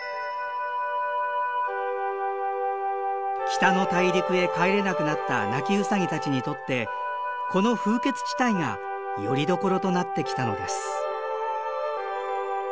北の大陸へ帰れなくなったナキウサギたちにとってこの風穴地帯がよりどころとなってきたのです。